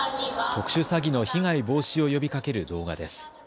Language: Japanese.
特殊詐欺の被害防止を呼びかける動画です。